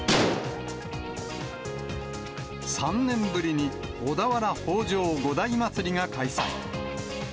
３年ぶりに、小田原北條五代祭りが開催。